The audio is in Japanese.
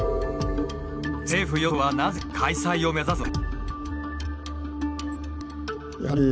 政府与党はなぜ開催を目指すのか？